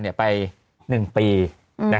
ไม่สับช้างแล้วก็เนี่ย